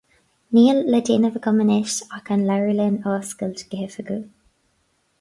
Níl le déanamh agam anois ach an leabharlann a oscailt go hoifigiúil.